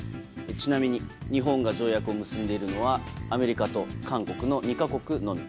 ちなみに日本が条約を結んでいるのはアメリカと韓国の２か国のみ。